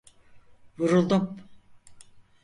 Vuruldum.